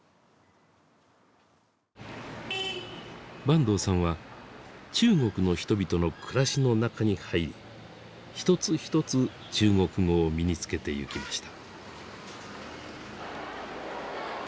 坂東さんは中国の人々の暮らしの中に入り一つ一つ中国語を身につけてゆきました。